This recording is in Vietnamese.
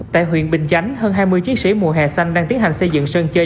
tại huyện bình chánh hơn hai mươi chiến sĩ mùa hè xanh đang tiến hành xây dựng sân chơi